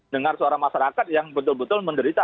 dengar suara masyarakat yang betul betul menderita